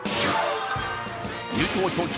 優勝賞金